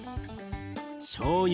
しょうゆ